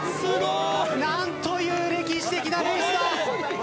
なんという歴史的なレースだ！